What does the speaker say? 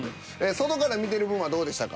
外から見てる分はどうでしたか？